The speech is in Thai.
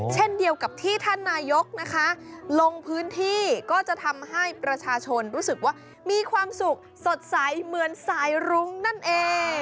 เช่นเดียวกับที่ท่านนายกนะคะลงพื้นที่ก็จะทำให้ประชาชนรู้สึกว่ามีความสุขสดใสเหมือนสายรุ้งนั่นเอง